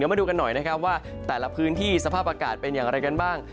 มาดูกันหน่อยนะครับว่าแต่ละพื้นที่สภาพอากาศเป็นอย่างไรกันบ้าง